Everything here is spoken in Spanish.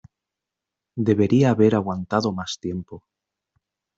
Debería haber aguantado más tiempo.